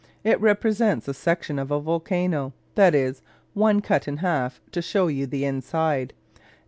It represents a section of a volcano; that is, one cut in half to show you the inside.